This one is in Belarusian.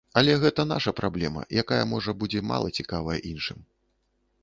Але гэта наша праблема, якая, можа, будзе мала цікавая іншым.